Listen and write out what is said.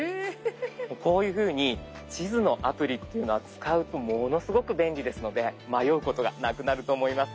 こういうふうに地図のアプリっていうのは使うとものすごく便利ですので迷うことがなくなると思います。